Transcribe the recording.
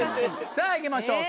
さぁいきましょうか。